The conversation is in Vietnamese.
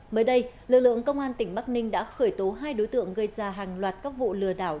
mới đây lực lượng công an tỉnh bắc ninh đã khởi tố hai đối tượng gây ra hàng loạt các vụ lừa đảo